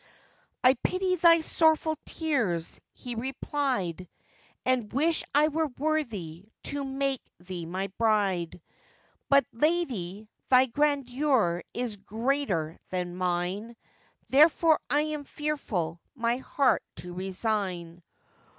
'I pity thy sorrowful tears,' he replied, 'And wish I were worthy to make thee my bride; But, lady, thy grandeur is greater than mine, Therefore, I am fearful my heart to resign.